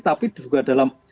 tapi juga dalam